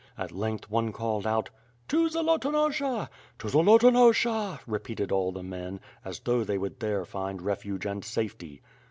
At length, one called out: "To Zolotonosha!" "To Zolotonosha!" repeated all the men, as though they would there find refuge and safety.